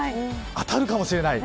当たるかもしれない。